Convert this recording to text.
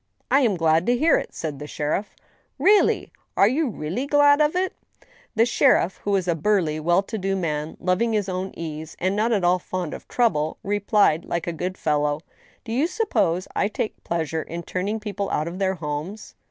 " I am glad to hear it," said the sheriff. " Really !— are you really glad of it ?" GOOD NBWS, 87 The sheriff, who was a burly, wdl to do man, loving his own ease, and not at all fond of trouble, replied, like a good fellow :" Do you suppose I take any pleasure in turning people out of their homes